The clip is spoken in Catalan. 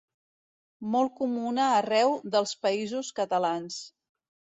Molt comuna arreu dels Països catalans.